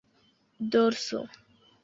dorso